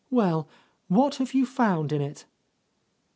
Well, what have you found In it?"